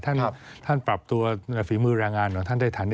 ท่านปรับตัวฝีมือแรงงานของท่านได้ทัน